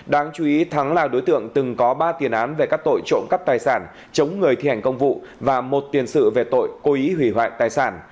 đáng chú ý thắng là đối tượng từng có ba tiền án về các tội trộm cắp tài sản chống người thi hành công vụ và một tiền sự về tội cố ý hủy hoại tài sản